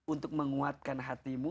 untuk menguatkan hatimu